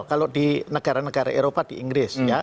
kalau di negara negara eropa di inggris